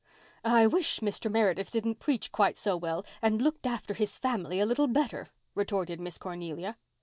"I wish Mr. Meredith didn't preach quite so well and looked after his family a little better," retorted Miss Cornelia.